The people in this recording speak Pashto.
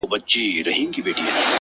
چي په پسي به زړه اچوې _